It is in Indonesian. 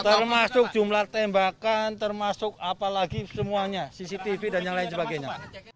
termasuk jumlah tembakan termasuk apalagi semuanya cctv dan yang lain sebagainya